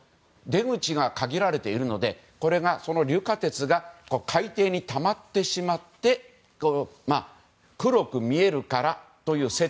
出口が限られているのでこれが、その硫化鉄が海底にたまってしまって黒く見えるからという説。